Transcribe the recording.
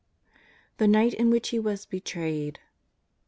THE NIGHT IN WHICH HE WAS BETRAYED.